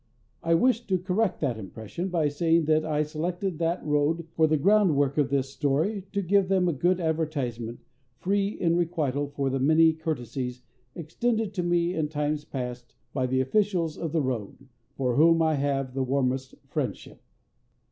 I wish to correct that impression by saying that I selected that road for the groundwork of this story to give them a good advertisement free in requital for the many courtesies extended to me in times past by the officials of the road, for whom I have the warmest friendship.